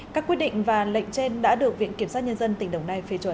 các quyết định và lệnh trên đã được viện kiểm soát nhân dân tỉnh đồng nai phê chuẩn